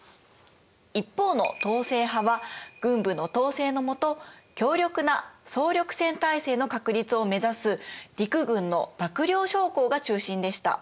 一方の統制派は軍部の統制のもと強力な総力戦体制の確立をめざす陸軍の幕僚将校が中心でした。